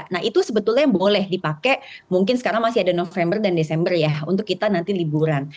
nah itu sebetulnya yang boleh dipakai mungkin sekarang masih ada november dan desember ya untuk kita nanti liburan